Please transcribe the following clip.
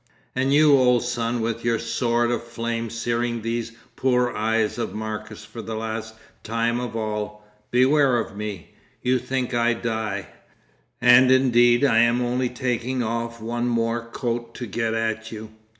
'And you, old Sun, with your sword of flame searing these poor eyes of Marcus for the last time of all, beware of me! You think I die—and indeed I am only taking off one more coat to get at you.